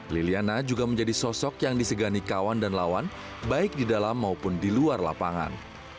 liliana juga menjadi sosok yang disegani kawan dan lawan baik di dalam maupun di luar lapangan